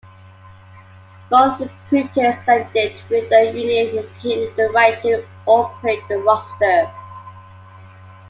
Both disputes ended with the union retaining the right to operate the roster.